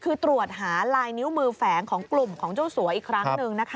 คือตรวจหาลายนิ้วมือแฝงของกลุ่มของเจ้าสัวอีกครั้งหนึ่งนะคะ